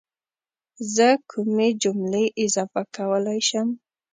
زه کومې جملې اضافه کولی شم؟